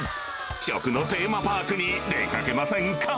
食のテーマパークに出かけません